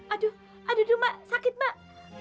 aduh aduh dulu mbak sakit mbak